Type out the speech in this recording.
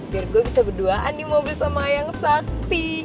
biar gue bisa berduaan di mobil sama yang sakti